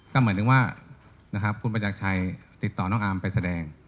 ก็เหมือนถึงว่าคุณประจักรชัยติดต่อน้องอาร์มไปแสดง